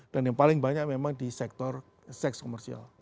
dan yang paling banyak memang di sektor seks komersial